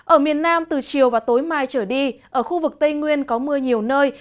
ở miền nam từ chiều và tối mai trở đi ở khu vực tây nguyên có mưa nhiều nơi